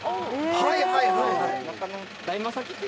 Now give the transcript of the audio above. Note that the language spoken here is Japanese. はいはいはいはい。